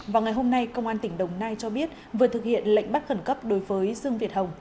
vào ngày hôm nay công an tỉnh đồng nai cho biết vừa thực hiện lệnh bắt khẩn cấp đối với dương việt hồng